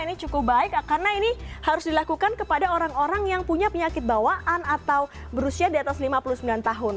ini cukup baik karena ini harus dilakukan kepada orang orang yang punya penyakit bawaan atau berusia di atas lima puluh sembilan tahun